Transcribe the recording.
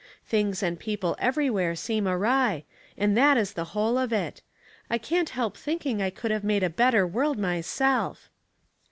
Things and people everywhere seem awry, and that is the whole of it. I can't help thinking I could have made a better world myself."